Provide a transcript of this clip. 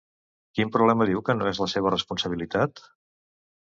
Quin problema diu que no és la seva responsabilitat?